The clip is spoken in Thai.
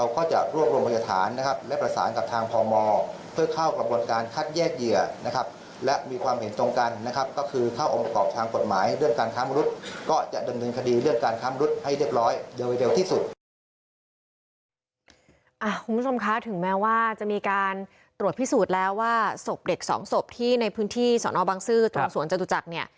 คุณผู้ชมคะถึงแม้ว่าจะมีการตรวจพิสูจน์แล้วว่าศพเด็กสองศพที่ในพื้นที่สอนอบังซื้อตรงสวนจตุจักรเนี่ย